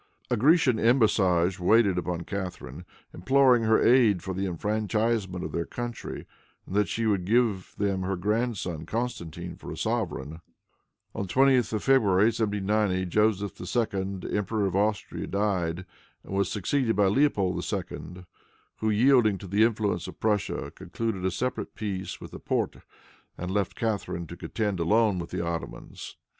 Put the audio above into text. A Grecian embassage waited upon Catharine, imploring her aid for the enfranchisement of their country, and that she would give them her grandson Constantine for a sovereign. On the 20th of February, 1790, Joseph II., Emperor of Austria, died, and was succeeded by Leopold II., who, yielding to the influence of Prussia, concluded a separate peace with the Porte, and left Catharine to contend alone with the Ottomans.